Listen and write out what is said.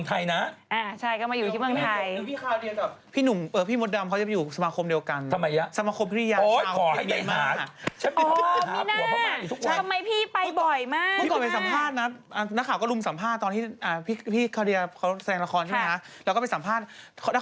คนก็เลยแบบไปอัปเดตเรื่องหัวใจหน่อยว่าตอนนี้เป็นยังไงบ้าง